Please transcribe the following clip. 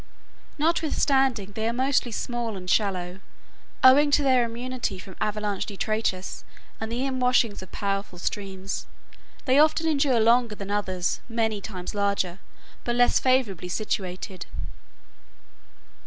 Notwithstanding they are mostly small and shallow, owing to their immunity from avalanche detritus and the inwashings of powerful streams, they often endure longer than others many times larger but less favorably situated.